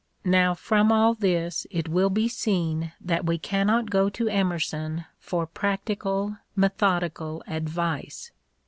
Now from all this it will be seen that we cannot go to Emerson for practical, methodical advice.